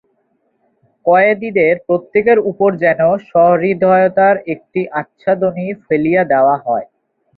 কয়েদীদের প্রত্যেকের উপর যেন সহৃদয়তার একটি আচ্ছাদনী ফেলিয়া দেওয়া হয়।